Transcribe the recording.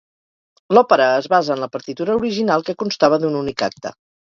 L'òpera es basa en la partitura original, que constava d'un únic acte.